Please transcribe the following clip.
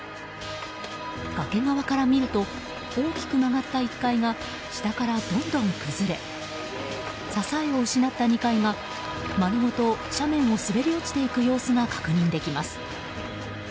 崖側から見ると大きく曲がった１階が下からどんどん崩れ支えを失った２階は、丸ごと斜面を滑り落ちていく様子が確認できます。